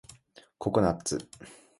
ココナッツ